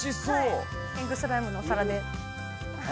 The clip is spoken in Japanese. キングスライムのお皿で。